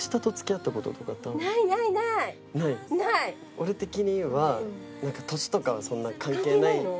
俺的にはなんか年とかはそんな関係ないと思って。